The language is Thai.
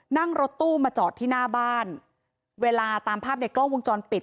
นั่งรถตู้มาจอดที่หน้าบ้านเวลาตามภาพในกล้องวงจรปิด